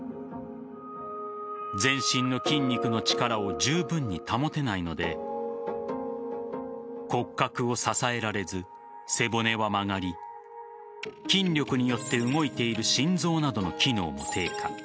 全身の筋肉の力をじゅうぶんに保てないので骨格を支えられず、背骨は曲がり筋力によって動いている心臓などの機能も低下。